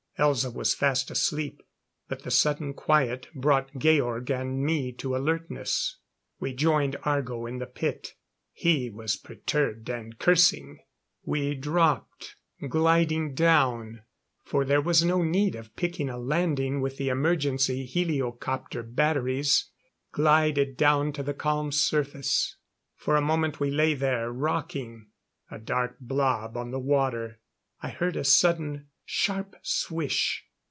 Elza was fast asleep, but the sudden quiet brought Georg and me to alertness. We joined Argo in the pit. He was perturbed, and cursing. We dropped, gliding down, for there was no need of picking a landing with the emergency heliocopter batteries glided down to the calm surface. For a moment we lay there, rocking a dark blob on the water. I heard a sudden sharp swish.